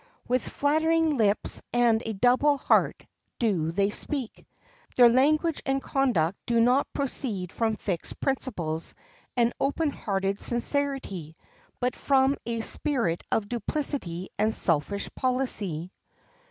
With flattering lips and a double heart do they speak. Their language and conduct do not proceed from fixed principles and open hearted sincerity, but from a spirit of duplicity and selfish policy.